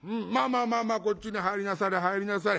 まあまあこっちに入りなされ入りなされ。